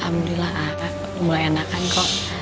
alhamdulillah enakan kok